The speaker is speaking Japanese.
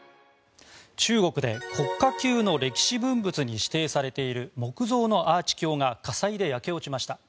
中国で国家級の歴史文物に指定されている木造のアーチ橋が火災で焼け落ちました。